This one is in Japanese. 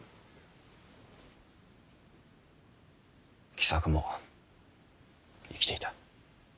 喜作も生きていた。